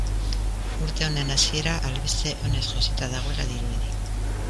Urte honen hasiera albiste onez josita dagoela dirudi.